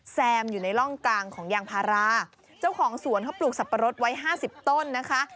แซมอยู่ในร่องกลางของยางพาราเจ้าของสวนเขาปลูกสับปะรดไว้ห้าสิบต้นนะคะ